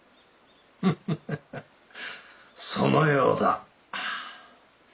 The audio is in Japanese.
フフフフそのようだ。